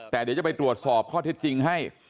แต่เดี๋ยวจะไปตรวจสอบข้อเท็จจริงให้